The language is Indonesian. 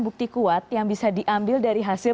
bukti kuat yang bisa diambil dari hasil